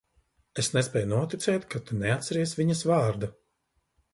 Es nespēju noticēt, ka tu neatceries viņas vārdu.